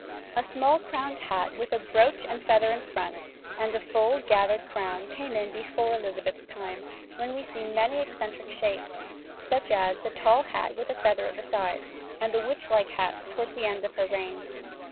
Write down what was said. A small crowned hat, with a brooch and feather in front, and a full gathered crown came in before Elizabeth's time, when we see many eccentric shapes, such as the tall hat with a feather at the side, and the witch like hats towards the end of her reign.